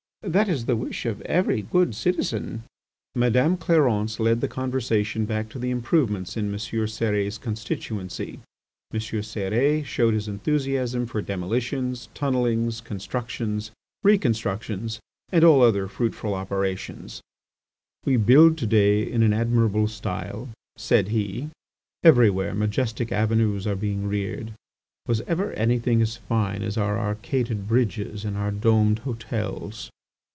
That is the wish of every good citizen." Madame Clarence led the conversation back to the improvements in M. Cérès' constituency. M. Cérès showed his enthusiasm for demolitions, tunnelings, constructions, reconstructions, and all other fruitful operations. "We build to day in an admirable style," said he; "everywhere majestic avenues are being reared. Was ever anything as fine as our arcaded bridges and our domed hotels!"